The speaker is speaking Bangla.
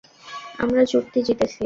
আমরা চুক্তি জিতেছি।